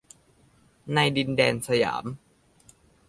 ในดินแดนสยาม